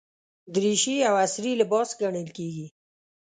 دریشي یو عصري لباس ګڼل کېږي.